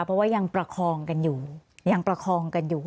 เพราะว่ายังประคองกันอยู่